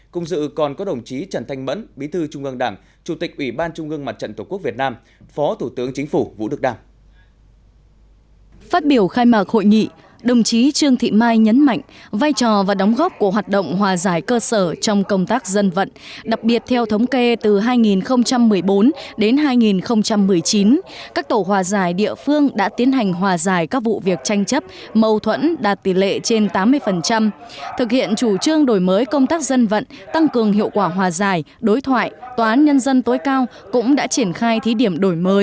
cùng dự còn có đồng chí trần thanh mẫn bí thư trung ương đảng chủ tịch ủy ban trung ương mặt trận tổ quốc việt nam